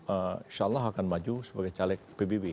insya allah akan maju sebagai caleg pbb